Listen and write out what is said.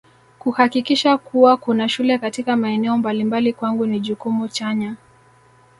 Kuhakikisha kuwa kuna shule katika maeneo mbalimbali kwangu ni jukumu chanya